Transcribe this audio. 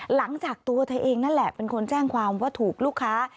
หลังจากตัวเธอเองนั่นแหละเป็นคนแจ้งความว่าถูกลูกค้า